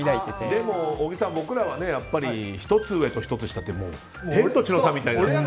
でも小木さん、僕らはやっぱり１つ上と１つ下って天と地の差みたいなところが。